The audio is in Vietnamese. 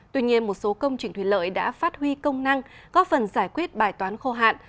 tuy nhiên một số công trình thủy lợi đã phát huy công năng góp phần giải quyết bài toán khô hạn